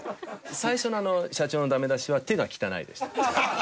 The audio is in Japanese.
最初の社長のダメ出しは「手が汚い」でした。